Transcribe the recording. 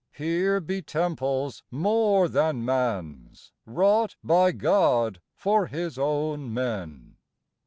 Here be temples more than man's Wrought by God for His own men.